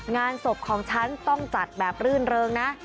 งานศพของฉันต้องจัดแบบรื่นเริงนะ